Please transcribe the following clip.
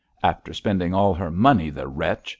'After spending all her money, the wretch!'